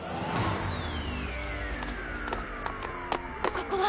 ここは？